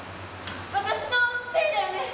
私のせいだよね。